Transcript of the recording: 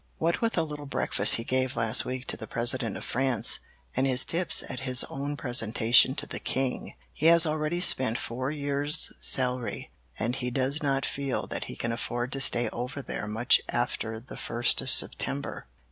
What with a little breakfast he gave last week to the President of France and his tips at his own presentation to the King, he has already spent four years' salary, and he does not feel that he can afford to stay over there much after the first of September.